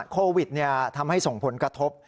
โควิดทำให้ส่งผลกระทบ